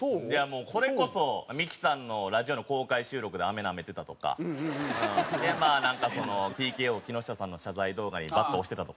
もうこれこそミキさんのラジオの公開収録で飴なめてたとかなんかＴＫＯ木下さんの謝罪動画にバッド押してたとかね。